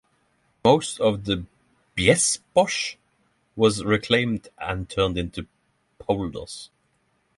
Most of the Biesbosch was reclaimed and turned into polders.